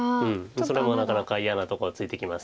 それもなかなか嫌なとこをついてきます。